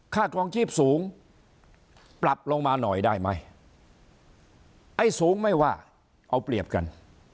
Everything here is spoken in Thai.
ครองชีพสูงปรับลงมาหน่อยได้ไหมไอ้สูงไม่ว่าเอาเปรียบกัน